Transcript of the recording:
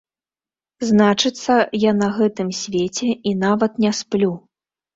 Значыцца, я на гэтым свеце і нават не сплю.